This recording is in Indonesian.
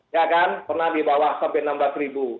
ya kan pernah di bawah sampai rp enam belas